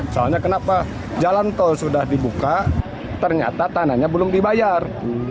soalnya kenapa jalan tol sudah dibuka ternyata tanahnya belum dibayar